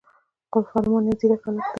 فرمان يو ځيرک هلک دی